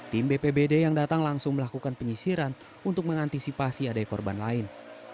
tim bpbd yang datang langsung melakukan penyisiran untuk mengantisipasi adanya korban lain